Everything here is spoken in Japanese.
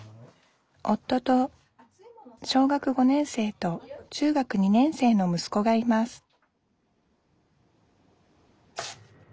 夫と小学５年生と中学２年生のむすこがいます